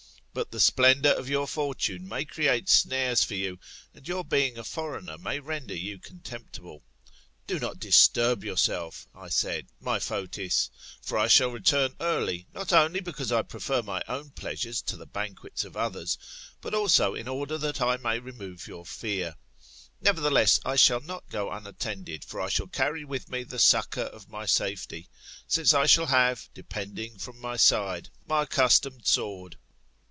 But the splendour of your fortune may create snares for you, and your being a foreigner may render you contemptible. Do not disturb yourself, I said, my Fotis* For I shall return early, not only because I prefer my own pleasures to the banquets of others, but also in order that I may remove your fear. Nevertheless, I shall not go unattended; for I shall carry with me the succour of my safety; since I shall have depending from my side, my accustomed sword.